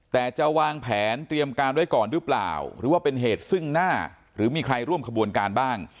แต่จะวางแผนเตรียมการไว้ก่อนหรือเปล่าหรือว่าเป็นเหตุซึ่งหน้าหรือมีใครร่วมขบวนการบ้าง